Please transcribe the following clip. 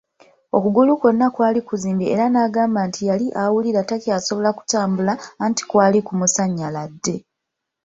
Okugulu kwona kwali kuzimbye era n’agamba nti yali awuliranga takyasobola kutambula anti kwali kumusanyaladde.